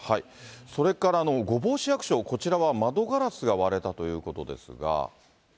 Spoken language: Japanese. それから、御坊市役所、こちらは窓ガラスが割れたということですが。